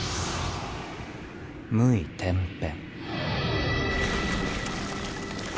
「無為転変」。